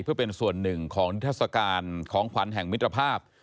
เพื่อเป็นส่วนหนึ่งของนิทัศกาลของขวัญแห่งมิตรภาพ